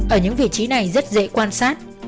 ở những vị trí này rất dễ quan sát